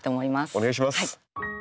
お願いします。